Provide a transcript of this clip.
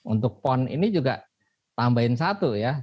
untuk pon ini juga tambahin satu ya